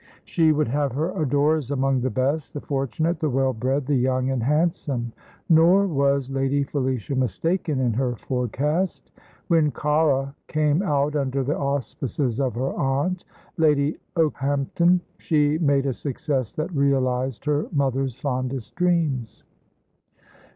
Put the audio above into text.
She would have her adorers among the best, the fortunate, the well bred, the young and handsome. Nor was Lady Felicia mistaken in her forecast. When Cara came out under the auspices of her aunt, Lady Okehampton, she made a success that realised her mother's fondest dreams.